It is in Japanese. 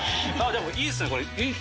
でもいいっすねこれ。